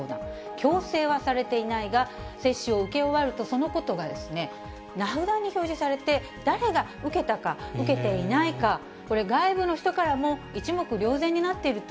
強制はされていないが、接種を受け終わると、そのことが名札に表示されて、誰が受けたか、受けていないないか、これ、外部の人からも一目瞭然になっていると。